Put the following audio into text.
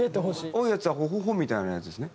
多いやつは「ホホホ」みたいなやつですね。